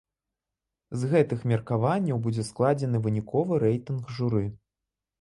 З гэтых меркаванняў будзе складзены выніковы рэйтынг журы.